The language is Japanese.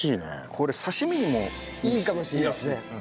これ刺身にも。いいかもしれないですね。